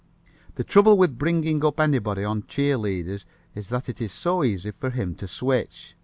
The trouble with bringing up anybody on cheer leaders is that it is so easy for him to switch.